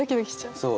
そう。